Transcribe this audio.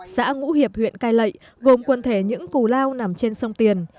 xã ngũ hiệp huyện cai lệ gồm quần thể những cù lao nằm trên sông tiền